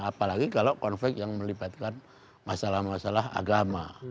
apalagi kalau konflik yang melibatkan masalah masalah agama